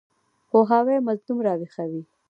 پوهاوی مظلوم راویښوي.